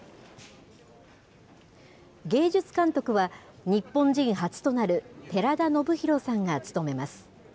芸術監督は、日本人初となる寺田宜弘さんが務めます。